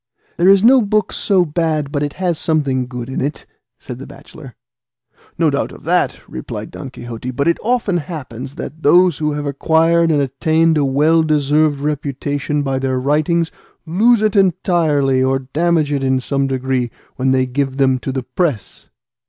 "There is no book so bad but it has something good in it," said the bachelor. "No doubt of that," replied Don Quixote; "but it often happens that those who have acquired and attained a well deserved reputation by their writings, lose it entirely, or damage it in some degree, when they give them to the press."